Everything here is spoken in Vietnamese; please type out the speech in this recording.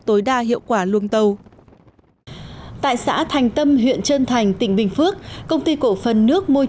tối đa hiệu quả luồng tàu tại xã thành tâm huyện trơn thành tỉnh bình phước công ty cổ phân nước